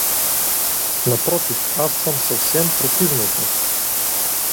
Напротив, аз съм съвсем противното.